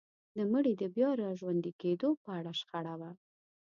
د مړي د بيا راژوندي کيدو په اړه شخړه وه.